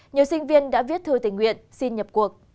nhiều sinh viên đã viết thư tình nguyện xin nhập cuộc